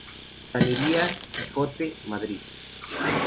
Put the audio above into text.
Galería Quixote, Madrid.